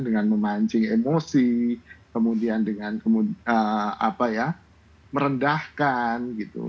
dengan memancing emosi kemudian dengan merendahkan gitu